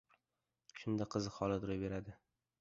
Shunda qiziq holat ro‘y beradi.